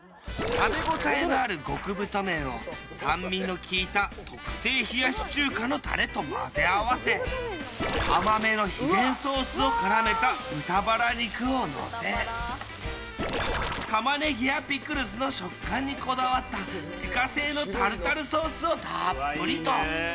食べ応えのある極太麺を酸味のきいた特製冷やし中華のタレと混ぜ合わせ甘めの秘伝ソースを絡めた豚バラ肉をのせタマネギやピクルスの食感にこだわった自家製のタルタルソースをたっぷりと。